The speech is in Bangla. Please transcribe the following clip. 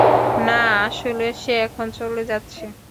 না, আসলে, সে এখন চলে যাচ্ছে।